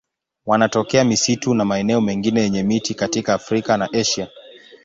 Wanatokea misitu na maeneo mengine yenye miti katika Afrika na Asia.